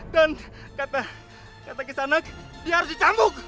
dan kata kata kesana dia harus dicambuk